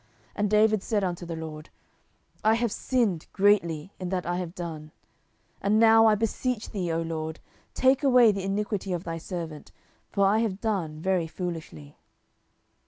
And David said unto the LORD, I have sinned greatly in that I have done: and now, I beseech thee, O LORD, take away the iniquity of thy servant; for I have done very foolishly.